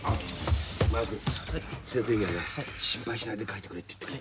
満賀くん先生にはな心配しないで描いてくれって言ってくれ。